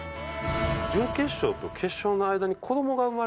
準決勝と決勝の間に子供が生まれましてちょうど。